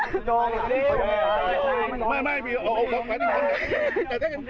นี่ใช่ไหมค่ะจะมีข้าวมาเล่นนี่ใช่ไหม